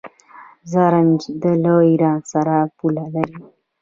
زرنج له ایران سره پوله لري.